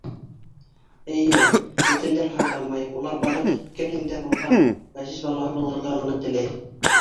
Эйе, етемдәр һайламай, улар бары тик кемдең дә булһа, ғәзиз балаһы булырға ғына теләй.